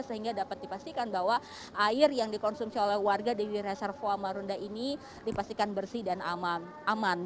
sehingga dapat dipastikan bahwa air yang dikonsumsi oleh warga di reservoir marunda ini dipastikan bersih dan aman